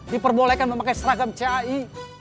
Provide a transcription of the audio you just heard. diperbolehkan memakai seragam cai